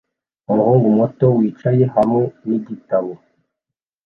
Umuhungu muto wicaye hamwe nigitabo